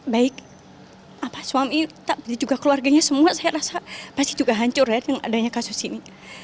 baik suami juga keluarganya semua saya rasa pasti juga hancur ya dengan adanya kasus ini